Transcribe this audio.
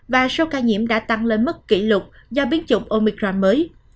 và số ca nhiễm đã tăng lên mức kỷ lục do biến chủng omicram mới